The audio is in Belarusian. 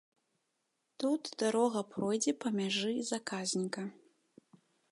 Тут дарога пройдзе па мяжы заказніка.